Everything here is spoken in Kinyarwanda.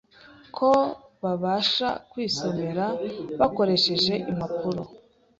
ko babasha kwisomera bakoresheje impapuro